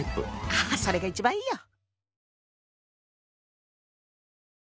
ああそれが一番いいよ。